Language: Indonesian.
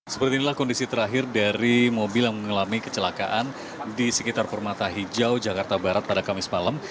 seperti inilah kondisi terakhir dari mobil yang mengalami kecelakaan di sekitar permata hijau jakarta barat pada kamis malam